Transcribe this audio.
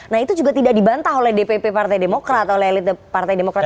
nah itu juga tidak dibantah oleh dpp partai demokrat oleh elit partai demokrat